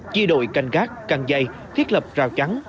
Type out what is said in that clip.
chia đội canh gác căng dây thiết lập rào chắn